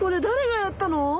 だれがやったの？